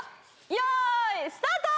よーいスタート！